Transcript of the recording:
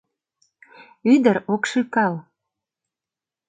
Ӱдыр ок шӱкал.